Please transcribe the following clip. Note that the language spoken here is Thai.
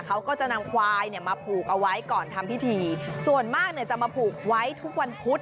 เขาก็จะนำควายเนี่ยมาผูกเอาไว้ก่อนทำพิธีส่วนมากเนี่ยจะมาผูกไว้ทุกวันพุธ